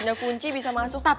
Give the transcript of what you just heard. udah kunci bisa masuk